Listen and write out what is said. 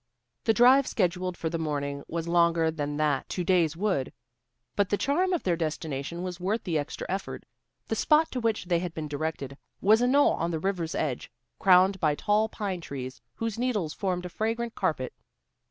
The drive scheduled for the morning was longer than that to Day's Woods, but the charm of their destination was worth the extra effort. The spot to which they had been directed was a knoll on the river's edge, crowned by tall pine trees, whose needles formed a fragrant carpet.